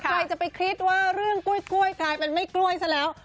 ใครจะไปคิดว่าเรื่องกล้วยกลายเป็นไม่กล้วยซะแล้ว